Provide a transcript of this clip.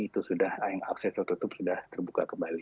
itu sudah akses tertutup sudah terbuka kembali